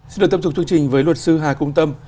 xin được tâm trục chương trình với luật sư hà cung tâm